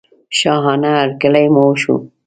شاهانه هرکلی مو وشو.